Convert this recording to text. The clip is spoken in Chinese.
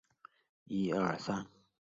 母亲则有德国与爱尔兰血统